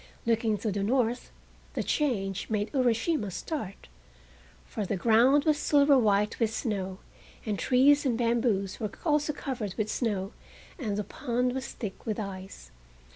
Looking to the north the change made Urashima start, for the ground was silver white with snow, and trees and bamboos were also covered with snow and the pond was thick with ice.